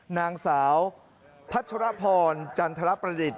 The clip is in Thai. นางสาวพัชรพรจันทรประดิษฐ